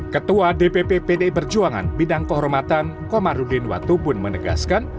ketua dpp pdi perjuangan bidang kehormatan komarudin watubun menegaskan